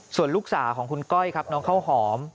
ส่วนลูกสาวของคุณก้อยครับน้องข้าวหอม